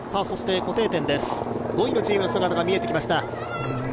そして固定点です、５位のチームの姿が見えてきました。